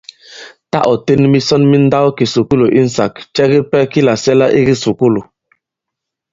Tâ ɔ̀ ten misɔn mi nndawkìsùkulù insāk, cɛ kipɛ ki làsɛ̀la i kisùkulù ?